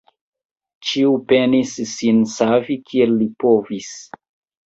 Ĉiu penis sin savi, kiel li povis.